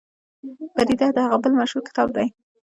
بریده د هغه بل مشهور کتاب دی.